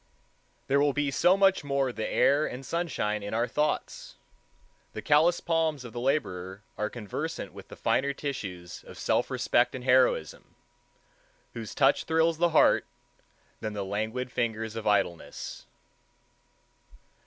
There will be so much the more air and sunshine in our thoughts. The callous palms of the laborer are conversant with finer tissues of self respect and heroism, whose touch thrills the heart, than the languid fingers of idleness.